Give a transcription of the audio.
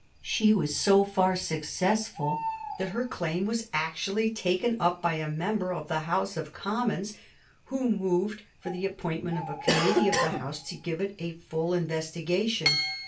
She was so far successful that her claim was actually taken up by a member of the House of Commons, who moved for the appointment of a Committee of the House to give it a full investigation.